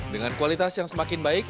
dengan kualitas yang semakin baik